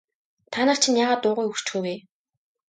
Та нар чинь яагаад дуугүй хөшчихөө вэ?